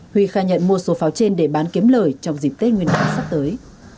huy khai nhận mua số pháo trên để bán kiếm lời trong dịp tết nguyên đán sắp tới